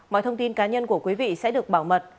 mọi thông tin cá nhân của quý vị sẽ được bảo mật